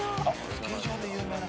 スキー場で有名な。